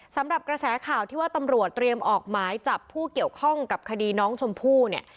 สำหรับกระแสข่าวที่ว่าตำรวจเตรียมออกหมายจับผู้เกี่ยวข้องกับคดีน้องชมพู่เนี่ย